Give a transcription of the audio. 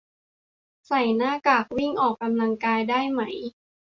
ใส่หน้ากากวิ่งออกกำลังกายได้ไหม